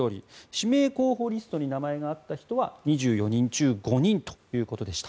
指名候補リストに名前があった人は２４人中５人ということでした。